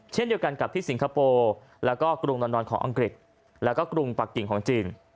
เช่นเดียวกันกับที่สิงคโปร์แล้วก็กรุงนอนของอังกฤษแล้วก็กรุงปะกิ่งของจีน